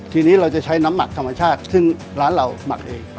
ทีนี้เราจะใช้น้ำหมักธรรมชาติซึ่งร้านเราหมักเอง